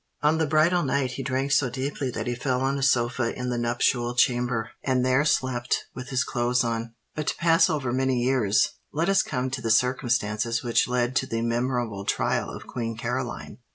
On the bridal night he drank so deeply that he fell on a sofa in the nuptial chamber, and there slept with his clothes on. But to pass over many years, let us come to the circumstances which led to the memorable trial of Queen Caroline.